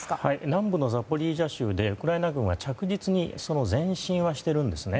南部のザポリージャ州でウクライナ軍は着実に前進はしているんですね。